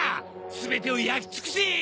全てを焼き尽くせ！